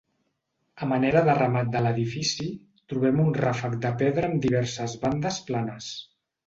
A manera de remat de l'edifici trobem un ràfec de pedra amb diverses bandes planes.